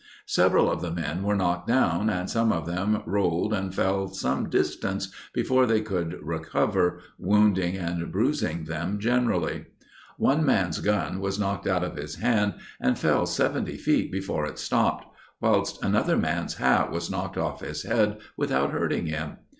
Several of the men were knocked down, and some of them rolled and fell some distance before they could recover, wounding and bruising them generally. One man's gun was knocked out of his hand and fell seventy feet before it stopped, whilst another man's hat was knocked off his head without hurting him.